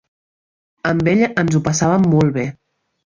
Amb ell ens ho passàvem molt bé.